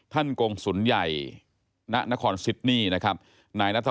ท่านกงศุนยาย